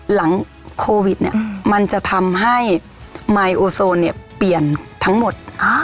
หลังโควิดมันจะทำให้มายโอโซนเปลี่ยนทั้งหมด